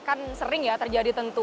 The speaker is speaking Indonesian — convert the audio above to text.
kan sering ya terjadi tentu